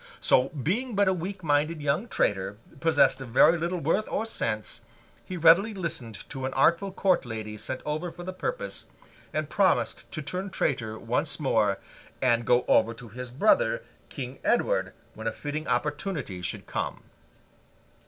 So, being but a weak minded young traitor, possessed of very little worth or sense, he readily listened to an artful court lady sent over for the purpose, and promised to turn traitor once more, and go over to his brother, King Edward, when a fitting opportunity should come.